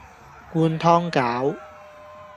灌湯餃